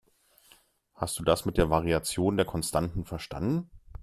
Hast du das mit der Variation der Konstanten verstanden?